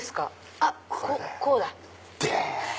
あっこうだ！だっ！